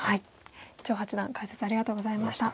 張八段解説ありがとうございました。